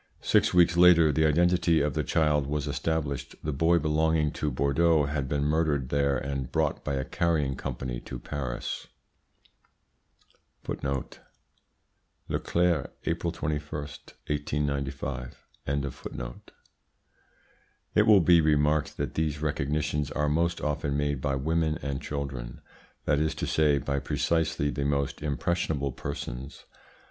Six weeks later the identity of the child was established. The boy, belonging to Bordeaux, had been murdered there and brought by a carrying company to Paris." L'Eclair, April 21, 1895. It will be remarked that these recognitions are most often made by women and children that is to say, by precisely the most impressionable persons.